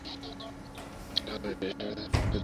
কারণ এসব অ্যাপে ছিল বিভিন্ন ক্ষতিকর কোড।